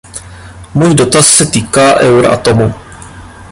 Můj dotaz se týká Euratomu.